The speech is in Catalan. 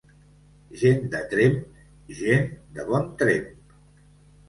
Gent de Tremp, gent de bon tremp.